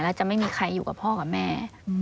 แล้วจะไม่มีใครอยู่กับพ่อกับแม่